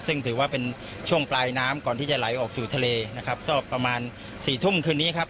ซึ่งถือว่าเป็นช่วงปลายน้ำก่อนที่จะไหลออกสู่ทะเลนะครับสักประมาณสี่ทุ่มคืนนี้ครับ